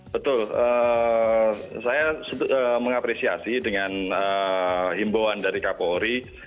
betul saya mengapresiasi dengan himbauan dari kapolri